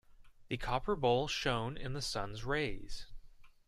The copper bowl shone in the sun's rays.